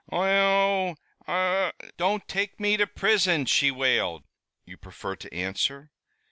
"Ohone! Ohone! don't take me to prison!" she wailed. "You prefer to answer?"